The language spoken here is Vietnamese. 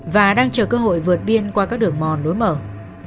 và đang chờ cơ hội vượt biên qua các đường mòn đối mặt